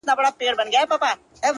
• مرګي زده کړی بل نوی چم دی,